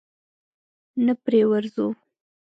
نه پرې ورځو؟